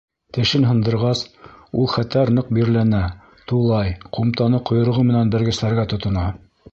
Тешен һындырғас, ул хәтәр ныҡ бирләнә, тулай, ҡумтаны ҡойроғо менән бәргесләргә тотона.